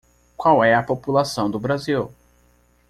Qual é a população do Brasil?